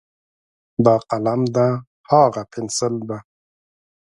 دا قلم ده، هاغه پینسل ده.